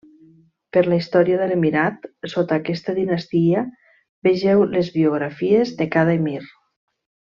Per la història de l'emirat sota aquesta dinastia vegeu les biografies de cada emir.